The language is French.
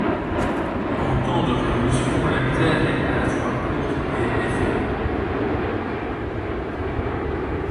En temps de révolution la misère est à la fois cause et effet.